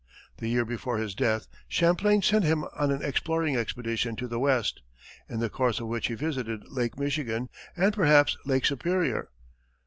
The year before his death, Champlain sent him on an exploring expedition to the west, in the course of which he visited Lake Michigan and perhaps Lake Superior.